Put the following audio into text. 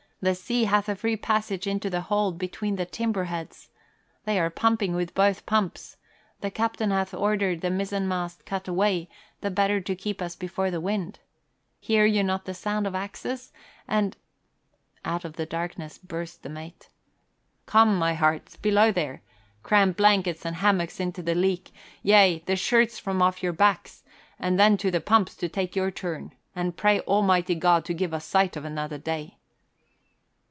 "The sea hath a free passage into the hold between the timber heads. They are pumping with both pumps. The captain hath ordered the mizzenmast cut away, the better to keep us before the wind. Hear you not the sound of axes? And " Out of the darkness burst the mate. "Come, my hearts! Below there! Cram blankets and hammocks into the leak, yea, the shirts from off your backs! And then to the pumps to take your turn. And pray Almighty God to give us sight of another day."